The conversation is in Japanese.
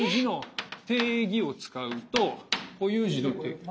定義を使うと固有時の。